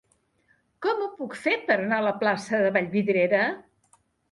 Com ho puc fer per anar a la plaça de Vallvidrera?